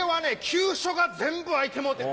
急所が全部空いてもうて。